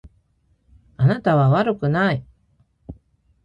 あなたは悪くない。